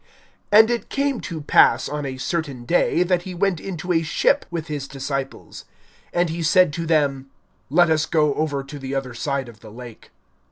(22)And it came to pass on a certain day, that he went into a ship with his disciples. And he said to them: Let us go over to the other side of the lake.